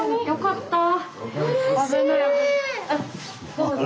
どうぞ。